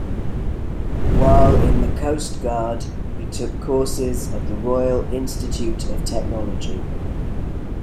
While in the coast guard he took courses at the Royal Institute of Technology.